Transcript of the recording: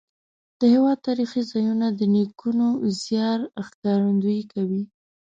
د هېواد تاریخي ځایونه د نیکونو زیار ښکارندویي کوي.